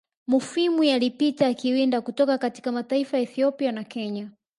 Mufwimi alipita akiwinda kutoka katika mataifa Ethiopia na Kenya